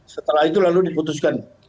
setelah itu lalu diputuskan